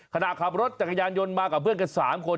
ขณะขับรถจักรยานยนต์มากับเพื่อนกัน๓คน